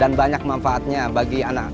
dan banyak manfaatnya bagi anak